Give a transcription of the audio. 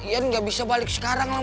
ian gak bisa balik sekarang mak